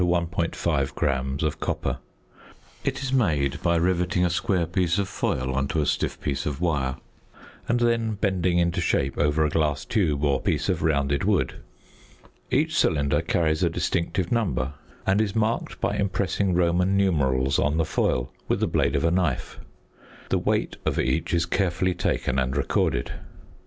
5 gram of copper. It is made by rivetting a square piece of foil on to a stiff piece of wire, and then bending into shape over a glass tube or piece of rounded wood. Each cylinder carries a distinctive number, and is marked by impressing Roman numerals on the foil with the blade of a knife. The weight of each is carefully taken and recorded.